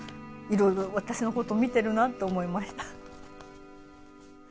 いろいろ私のこと見てるなと思いました。